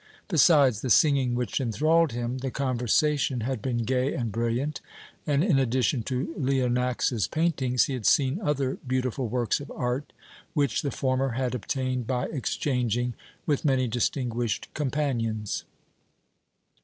Besides the singing which enthralled him, the conversation had been gay and brilliant, and in addition to Leonax's paintings, he had seen other beautiful works of art which the former had obtained by exchanging with many distinguished companions.